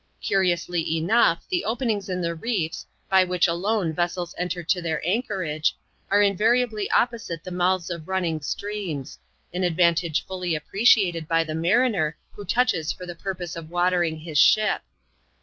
Curiously enough, the openings in the reefs, by which alone vessels enter to their anchorage, are invariably opposite the] mouths of running streams : an ad vantage fully appreciated by the mariner who touches for the purpose of watering his ship.'